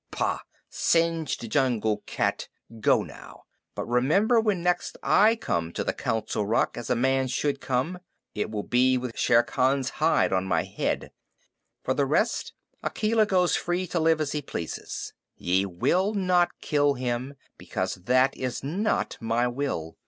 "Pah! Singed jungle cat go now! But remember when next I come to the Council Rock, as a man should come, it will be with Shere Khan's hide on my head. For the rest, Akela goes free to live as he pleases. Ye will not kill him, because that is not my will.